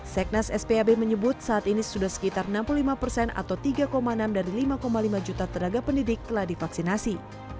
seknas spab menyebut saat ini sudah sekitar enam puluh lima persen atau tiga enam dari lima lima juta tenaga pendidik telah divaksinasi